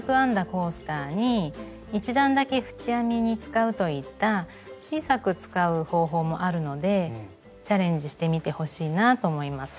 コースターに１段だけ縁編みに使うといった小さく使う方法もあるのでチャレンジしてみてほしいなと思います。